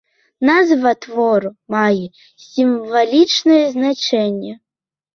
Назва твору мае сімвалічнае значэнне.